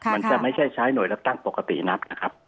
มันจะไม่ใช่ใช้หน่วยเลือกตั้งปกตินักนะครับ